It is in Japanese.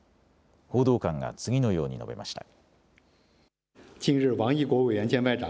報道官が次のように述べました。